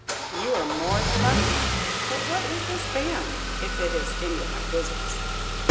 "You were more than lucky. But what is this band if it is any of my business?"